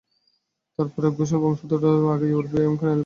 তার পরে ঘোষাল-বংশদণ্ডের আগায় উড়বে কেরানিবৃত্তির জয়পতাকা।